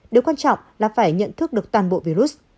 điều quan trọng là phải nhận thức được toàn bộ virus